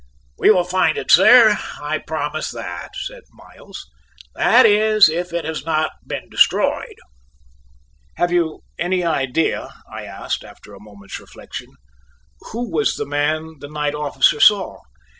"We will find it, sir; I'll promise that," said Miles; "that is, if it has not been destroyed." "Have you any idea," I asked, after a moment's reflection, "who was the man the night officer saw?"